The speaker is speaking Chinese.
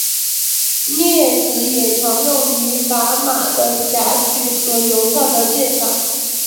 镊子也常用于砝码的夹取和邮票的鉴赏。